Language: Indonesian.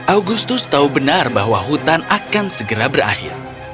agustus tahu benar bahwa hutan akan segera berakhir